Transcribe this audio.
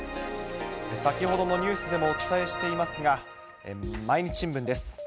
先ほどのニュースでもお伝えしていますが、毎日新聞です。